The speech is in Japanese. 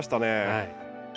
はい。